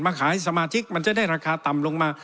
ขายสมาชิกมันจะได้ราคาต่ำลงมา